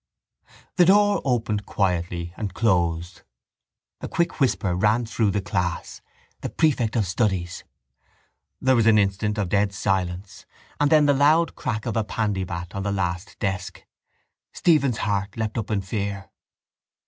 The door opened quietly and closed. A quick whisper ran through the class: the prefect of studies. There was an instant of dead silence and then the loud crack of a pandybat on the last desk. Stephen's heart leapt up in fear.